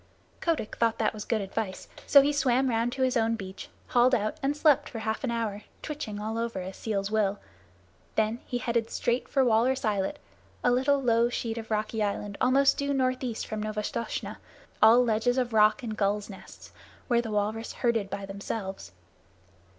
Kotick thought that that was good advice, so he swam round to his own beach, hauled out, and slept for half an hour, twitching all over, as seals will. Then he headed straight for Walrus Islet, a little low sheet of rocky island almost due northeast from Novastoshnah, all ledges and rock and gulls' nests, where the walrus herded by themselves.